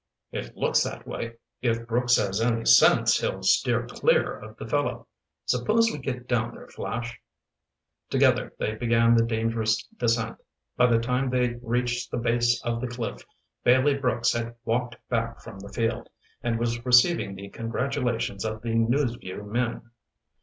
"It looks that way. If Brooks has any sense he'll steer clear of the fellow. Suppose we get down there, Flash." Together they began the dangerous descent. By the time they reached the base of the cliff, Bailey Brooks had walked back from the field, and was receiving the congratulations of the News Vue men.